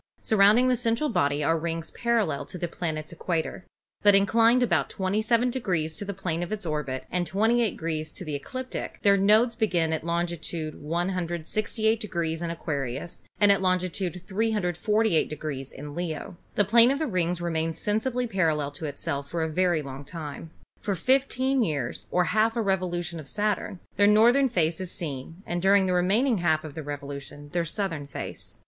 Surrounding the central body are rings parallel to the planet's equator, but inclined about 27 degrees to the plane of its orbit and SATURN 205 28 degrees to the ecliptic, their nodes being at longitude 1 68° in Aquarius and at longitude 348 in Leo. The plane of the rings remains sensibly parallel to itself for a very long time. For fifteen years, or half a revolution of Sa turn, their northern face is seen and during the remaining half of the revolution their southern face.